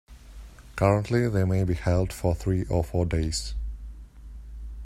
Currently they may be held for three or four days.